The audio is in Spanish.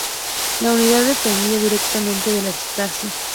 La unidad dependía directamente de la "Stasi".